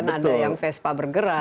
ada yang vespa bergerak